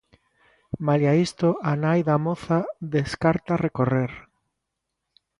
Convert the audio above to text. Malia a isto, a nai da moza descarta recorrer.